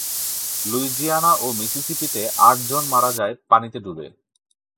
Louisiana ও মিসিসিপিতে আট জন মারা যায় পানিতে ডুবে।